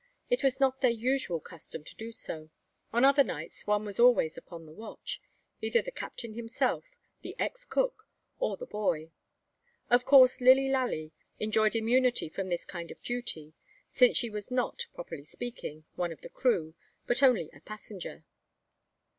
It was not their usual custom to do so. On other nights one was always upon the watch, either the captain himself, the ex cook, or the boy. Of course Lilly Lalee enjoyed immunity from this kind of duty: since she was not, properly speaking, one of the "crew," but only a "passenger."